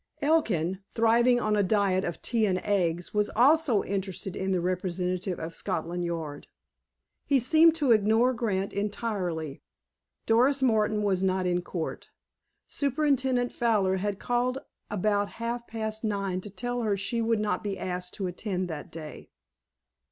Elkin, thriving on a diet of tea and eggs, was also interested in the representative of Scotland Yard. He seemed to ignore Grant entirely. Doris Martin was not in court. Superintendent Fowler had called about half past nine to tell her she would not be asked to attend that day.